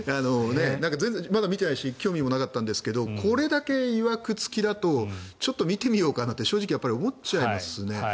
まだ見ていないし興味もなかったんですけどこれだけいわく付きだとちょっと見てみようかなって正直思っちゃいますね。